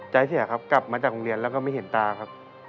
ใจเสียครับกลับมาจากโรงเรียนแล้วก็ไม่เห็นตาครับ